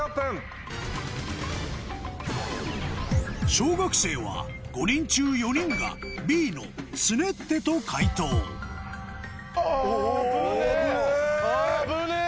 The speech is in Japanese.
小学生は５人中４人がＢの「つねって」と解答危ねぇ。